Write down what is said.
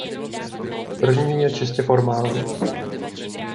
První je čistě formální.